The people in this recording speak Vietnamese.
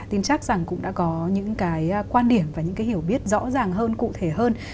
tin chắc rằng cũng đã có những cái quan điểm và những cái hiểu biết rõ ràng hơn cụ thể hơn